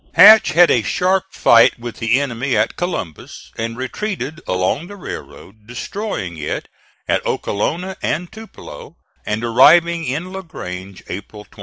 Hatch had a sharp fight with the enemy at Columbus and retreated along the railroad, destroying it at Okalona and Tupelo, and arriving in La Grange April 26.